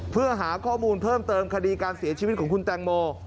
เพื่อหาข้อมูลเพิ่มเติมคดีการเสียชีวิตของคุณแตงโม